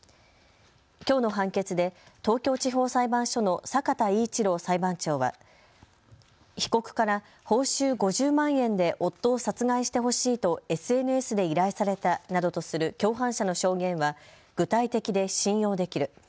きょうの判決で東京地方裁判所の坂田威一郎裁判長は被告から報酬５０万円で夫を殺害してほしいとＳＮＳで依頼されたなどとする共犯者の証言は具体的で信用できる。